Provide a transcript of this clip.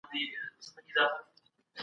کوم نباتات په کور کي د ذهني سکون لامل ګرځي؟